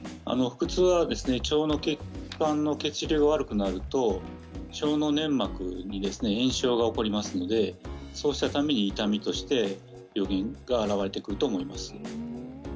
腸の血管の血流が悪くなると腸の粘膜に炎症が起こりますのでそのため痛みとして出てくると思います。